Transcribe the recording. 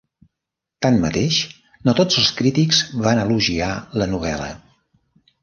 Tanmateix, no tots els crítics van elogiar la novel·la.